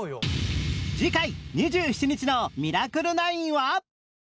次回２７日の『ミラクル９』は